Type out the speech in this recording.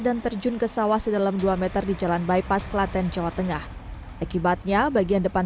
dan terjun ke sawah sedalam dua meter di jalan bypass klaten jawa tengah ekibatnya bagian depan